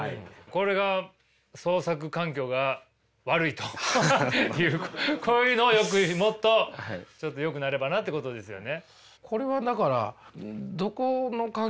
これが創作環境が悪いというこういうのをもっとちょっとよくなればなってことですよね。